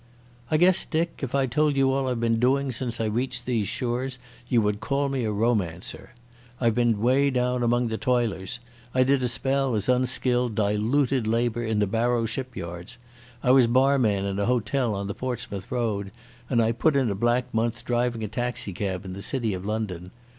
"I guess, Dick, if I told you all I've been doing since I reached these shores you would call me a romancer. I've been way down among the toilers. I did a spell as unskilled dilooted labour in the Barrow shipyards. I was barman in a hotel on the Portsmouth Road, and I put in a black month driving a taxicab in the city of London.